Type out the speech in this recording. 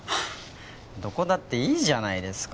どこだっていいじゃないですか。